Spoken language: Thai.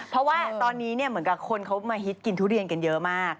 เพราะว่าตอนนี้เหมือนกับคนเขามาฮิตกินทุเรียนกันเยอะมาก